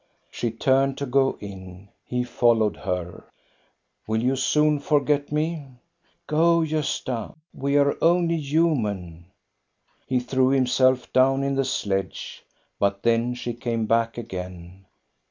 She turned to go in. He followed her. " Will you soon forget me ?"" Go, Gosta ! We are only human." He threw himself down in the sledge, but then she came back again.